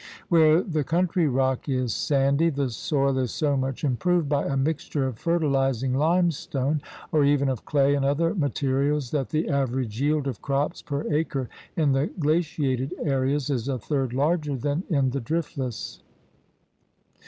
Where the country rock is sandy, the soil is so much improved by a mixture of fertilizing limestone or even of clay and other materials that the average yield of crops per acre in the glaciated areas is a third larger than in the driftless.